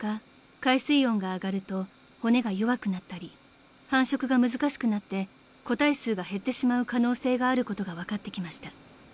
海水温が上がると骨が弱くなったり繁殖が難しくなって個体数が減ってしまう可能性があることが分かってきました］